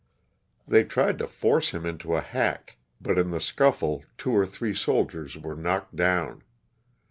They tried to force him into a hack, but in the scuffle two or three soldiers were knocked down.